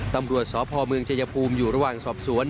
ตำรวจสพเมืองชายภูมิอยู่ระหว่างสอบสวน